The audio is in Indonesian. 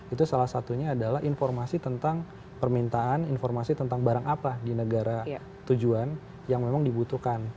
itu salah satunya adalah informasi tentang permintaan informasi tentang barang apa di negara tujuan yang memang dibutuhkan